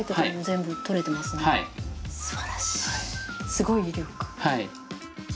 すごい威力。